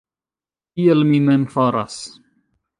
Tiel mi mem faras.